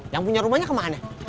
yang punya rumahnya ke mana